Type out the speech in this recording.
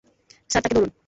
Sir তাকে ধরুন।